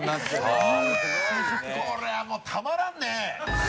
これはもうたまらんね！